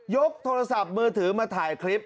กโทรศัพท์มือถือมาถ่ายคลิป